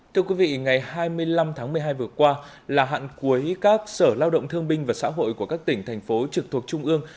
thưa quý vị ngày hai mươi năm tháng một mươi hai vừa qua là hạn cuối các sở lao động thương binh và xã hội của các tỉnh thành phố trực thuộc trung ương